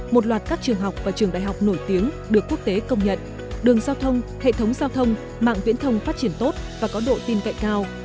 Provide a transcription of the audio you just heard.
một loạt các trường học và trường đại học nổi tiếng được quốc tế công nhận đường giao thông hệ thống giao thông mạng viễn thông phát triển tốt và có độ tin cậy cao